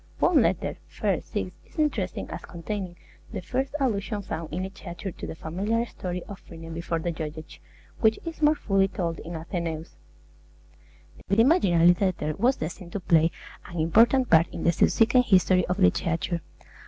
One letter (i. 6) is interesting as containing the first allusion found in literature to the familiar story of Phryne before the judges, which is more fully told in Athenaeus. The imaginary letter was destined to play an important part in the subsequent history of literature.